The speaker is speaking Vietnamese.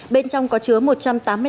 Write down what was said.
bên trong có chứa một trăm tám mươi